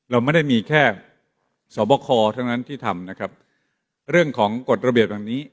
เราไม่ได้มีแค่สวบคอเท่านั้นที่ทำนะครับเรื่องของกฎระเบียบแบบนี้